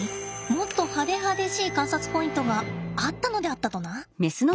もっと派手派手しい観察ポイントがあったのであったとな。